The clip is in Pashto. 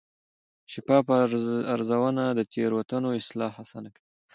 شفاف ارزونه د تېروتنو اصلاح اسانه کوي.